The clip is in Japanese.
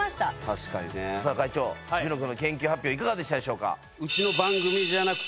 確かにね会長諄之くんの研究発表いかがでしたでしょうか？